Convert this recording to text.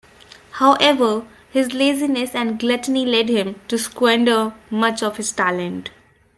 However, his laziness and gluttony led him to squander much of his talent.